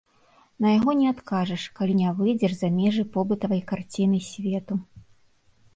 На яго не адкажаш, калі не выйдзеш за межы побытавай карціны свету.